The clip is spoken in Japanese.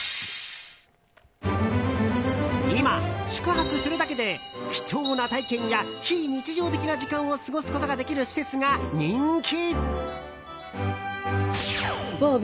今、宿泊するだけで貴重な体験や非日常的な時間を過ごすことができる施設が人気。